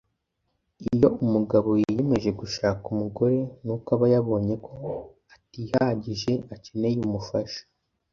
iyo umugabo yiyemeje gushaka umugore ni uko aba yabonye ko atihagije akeneye umufasha